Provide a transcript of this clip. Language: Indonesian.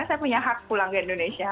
saya punya hak pulang ke indonesia